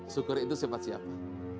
syukur itu sifat siapa